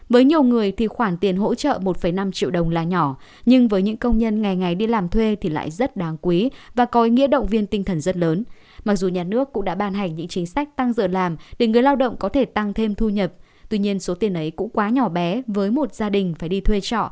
với nhiều người thì khoản tiền hỗ trợ một năm triệu đồng là nhỏ nhưng với những công nhân ngày ngày đi làm thuê thì lại rất đáng quý và có ý nghĩa động viên tinh thần rất lớn mặc dù nhà nước cũng đã ban hành những chính sách tăng giờ làm để người lao động có thể tăng thêm thu nhập tuy nhiên số tiền ấy cũng quá nhỏ bé với một gia đình phải đi thuê trọ